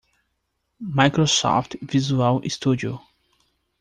Microsoft Visual Studio.